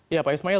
ya pak ismail